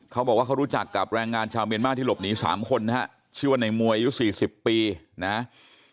เขาบอกว่าเขารู้จักกับแรงงานชาวเมียนมาที่หลบหนี๓คนนะฮะชื่อว่าในมวยอายุ๔๐ปีนะฮะ